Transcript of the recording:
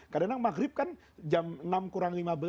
kadang kadang maghrib kan jam enam kurang lima belas